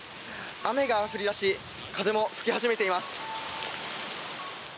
雨が降り出し風も吹き始めています。